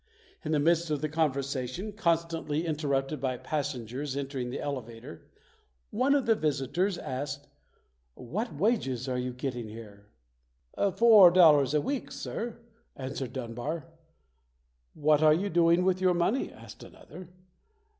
In the midst of the conversation, constantly interrupted by passengers entering the elevator, one of the visitors asked, "What wages are you getting here?" "Four dollars a week, Sir", answered Dunbar. "What are you doing with your money?" asked another.